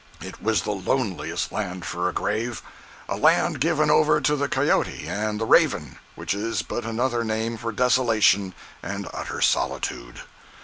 It was the loneliest land for a grave! A land given over to the cayote and the raven—which is but another name for desolation and utter solitude.